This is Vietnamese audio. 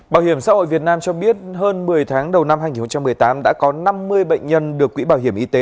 bảo hiểm xã hội việt nam cho biết hơn một mươi tháng đầu năm hai nghìn một mươi tám đã có năm mươi bệnh nhân được quỹ bảo hiểm y tế